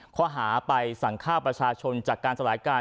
ข้อหาไปสั่งข้าวประชาชนจากการสลายการ